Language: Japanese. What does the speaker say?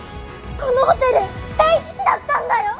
このホテル大好きだったんだよ。